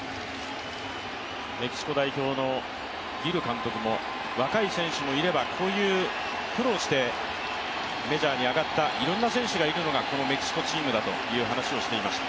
メキシコ代表のギル監督も、若い選手もいれば、こういう苦労してメジャーに上がったいろんな選手がいるのがこのメキシコチームだという話をしていました。